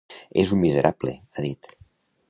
És un miserable, ha dit.